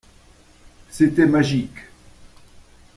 C'était magique.